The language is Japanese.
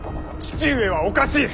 父上はおかしい！